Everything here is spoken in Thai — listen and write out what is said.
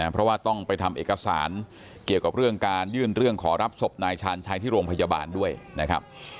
เพราะว่าต้องไปทำเอกสารเกี่ยวกับเรื่องการยื่นเรื่องขอรับศพนายชาญชัยที่โรงพยาบาลด้วยนะครับ